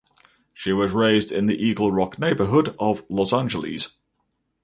She was raised in the Eagle Rock neighborhood of Los Angeles.